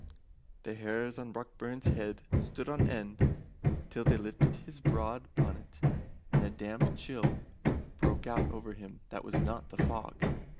The hairs on Brockburn's head stood on end till they lifted his broad bonnet, and a damp chill broke out over him that was not the fog.